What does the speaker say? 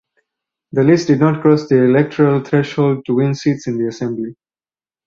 The list did not cross the electoral threshold to win seats in the assembly.